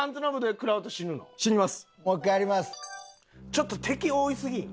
ちょっと敵多すぎん？